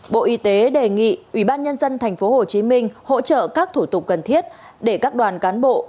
bộ y tế đề nghị ủy ban nhân dân tp hcm hỗ trợ các thủ tục cần thiết để các đoàn cán bộ